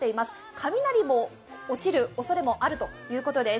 雷も落ちるおそれもあるということです。